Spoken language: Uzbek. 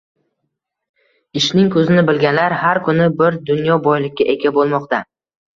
Ishning ko`zini bilganlar har kuni bir dunyo boylikka ega bo`lmoqda